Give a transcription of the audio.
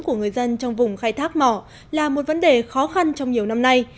của người dân trong vùng khai thác mỏ là một vấn đề khó khăn trong nhiều năm nay